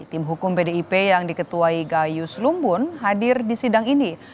tim hukum pdip yang diketuai gayus lumbun hadir di sidang ini